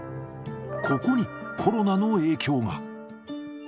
ここにコロナの影響が。